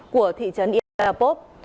của thị trấn earpop